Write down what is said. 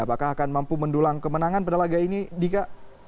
apakah akan mampu mendulang kemenangan pada laga ini dika